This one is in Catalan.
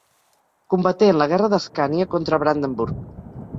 Combaté en la Guerra d’Escània contra Brandenburg.